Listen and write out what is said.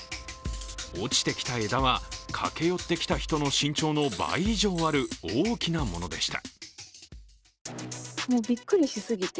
落ちてきた枝は、駆け寄ってきた人の身長の倍以上ある大きなものでした。